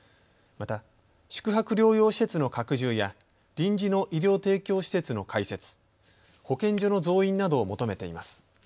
また、宿泊療養施設の拡充や臨時の医療提供施設の開設、保健所の増員などを求めています。